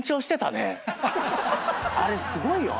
あれすごいよ。